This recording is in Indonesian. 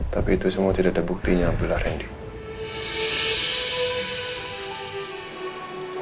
tapi itu semua tidak ada buktinya apabila randy